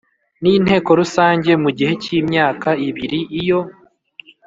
n Inteko rusange mu gihe cy imyaka ibiri Iyo